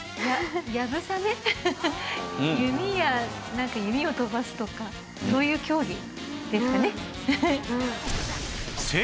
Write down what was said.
弓矢なんか弓を飛ばすとかそういう競技ですかね？